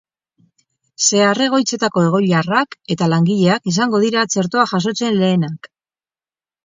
Zahar-egoitzetako egoiliarrak eta langileak izango dira txertoa jasotzen lehenak.